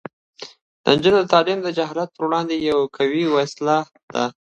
د نجونو تعلیم د جهالت پر وړاندې یوه قوي وسله ده.